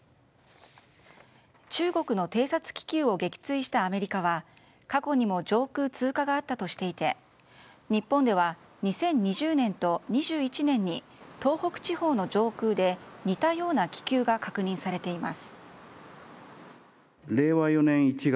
中国の偵察気球を撃墜したアメリカは過去にも上空通過があったとしていて日本では２０２０年と２０２１年に東北地方の上空で似たような気球が確認されています。